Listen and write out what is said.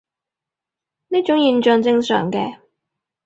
呢種現象正常嘅